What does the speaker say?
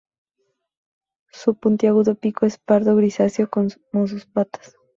Su puntiagudo pico es pardo grisáceo como sus patas.